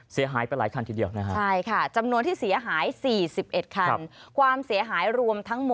เสียหายไปหลายคันทีเดียวนะฮะ